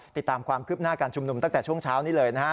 ติดตามความคืบหน้าการชุมนุมตั้งแต่ช่วงเช้านี้เลยนะฮะ